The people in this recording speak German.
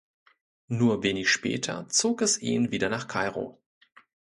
Nur wenig später zog es ihn wieder nach Kairo.